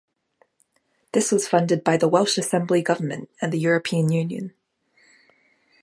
This was funded by the Welsh Assembly Government and the European Union.